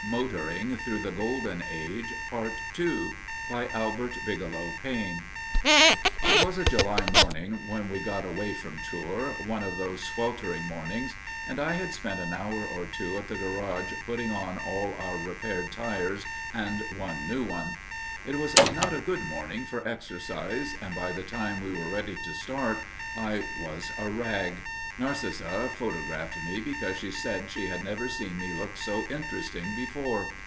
MOTORING THROUGH THE GOLDEN AGE PART II BY ALBERT BIGELOW PAINE It was a July morning when we got away from Tours one of those sweltering mornings and I had spent an hour or two at the garage putting on all our repaired tires and one new one. It was not a good morning for exercise; and by the time we were ready to start, I was a rag. Narcissa photographed me, because she said she had never seen me look so interesting before.